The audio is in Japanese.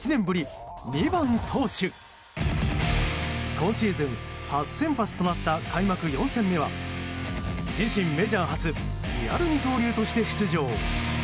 今シーズン初先発となった開幕４戦目は自身メジャー初リアル二刀流として出場。